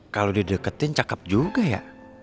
kalau dideketin cakep juga ya